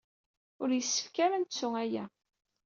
Ur yessefk ara ad nettu aya.